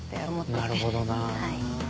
なるほどな。